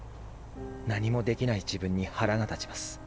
何もできない自分に腹が立ちます。